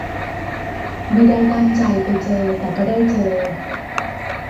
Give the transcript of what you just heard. ไม่ได้ตั้งใจไปเจอ แต่ก็ได้เจอ